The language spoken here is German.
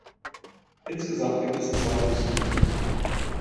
Insgesamt gibt es zwei Buslinien.